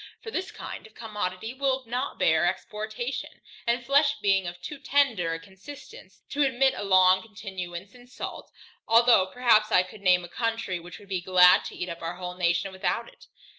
For this kind of commodity will not bear exportation, and flesh being of too tender a consistence, to admit a long continuance in salt, although perhaps I could name a country, which would be glad to eat up our whole nation without it.